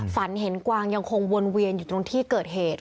ฝันเห็นกวางยังคงวนเวียนอยู่ตรงที่เกิดเหตุ